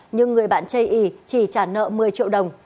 nhưng người bạn chê ý chỉ trả nợ một mươi triệu đồng